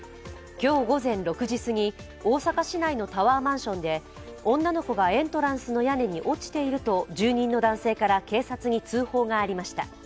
今日午前６時すぎ、大阪市内のタワーマンションで女の子がエントランスの屋根に落ちていると住人の男性から警察に通報がありました。